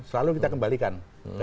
selalu kita kembalikan